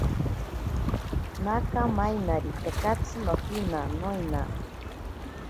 Naka mainari tekatsi nojina, noina.